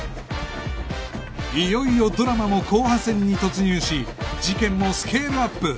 いよいよドラマも後半戦に突入し事件もスケールアップ